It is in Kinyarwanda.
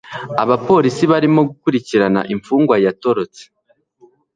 Abapolisi barimo gukurikirana imfungwa yatorotse.